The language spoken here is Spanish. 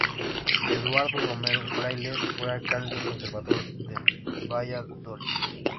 Eduardo Romero Fraile fue alcalde conservador de Valladolid.